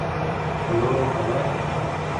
Mwili ulikuwa hautaki lakini hakuwa na chaguo